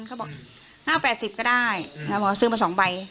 เขาบอก๕๘๐ก็ได้บอกว่าซื้อมา๒ใบ